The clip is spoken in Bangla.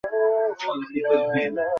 আয়, আমাকে মার!